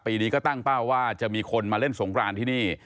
ปีนี้ก็ตั้งเป้าว่าจะมีคนมาเล่นสงครานที่นี่